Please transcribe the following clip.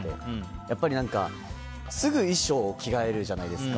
やっぱり、すぐ衣装を着替えるじゃないですか。